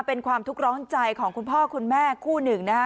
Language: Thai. เป็นความทุกข์ร้อนใจของคุณพ่อคุณแม่คู่หนึ่งนะฮะ